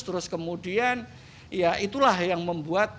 terus kemudian ya itulah yang membuat